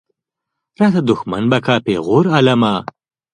راته دښمن به کا پېغور عالمه.